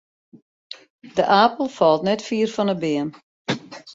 De apel falt net fier fan 'e beam.